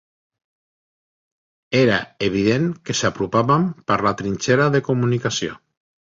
Era evident que s'apropaven per la trinxera de comunicació